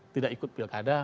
tidak ikut pilkada